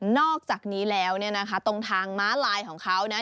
อกจากนี้แล้วเนี่ยนะคะตรงทางม้าลายของเขานะ